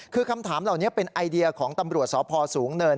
คือคำถามเหล่านี้เป็นไอเดียของตำรวจสพสูงเนิน